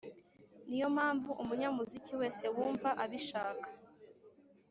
niyo mpamvu umunyamuziki wesewumva abishaka